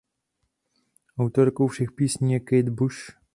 Autorkou všech písní je Kate Bush.